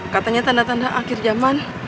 katanya tanda tanda akhir zaman